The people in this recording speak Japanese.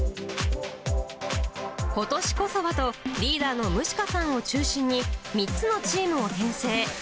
ことしこそはと、リーダーの六鹿さんを中心に、３つのチームを編成。